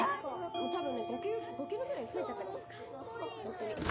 多分ね５ｋｇぐらい増えちゃったかも。